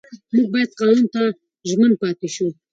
موږ باید قانون ته ژمن پاتې شو